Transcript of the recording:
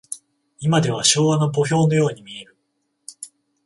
いまでは昭和の墓標のように見える。